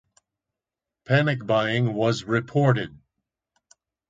Panic buying was reported.